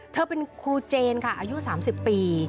เธอเป็นครูเจนค่ะอายุ๓๐ปี